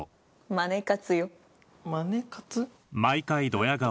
マネ活？